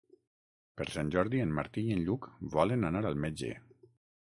Per Sant Jordi en Martí i en Lluc volen anar al metge.